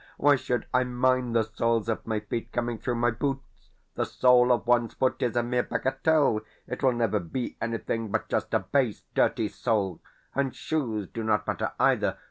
Why should I mind the soles of my feet coming through my boots? The sole of one's foot is a mere bagatelle it will never be anything but just a base, dirty sole. And shoes do not matter, either.